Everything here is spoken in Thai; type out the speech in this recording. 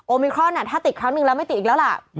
มิครอนถ้าติดครั้งหนึ่งแล้วไม่ติดอีกแล้วล่ะ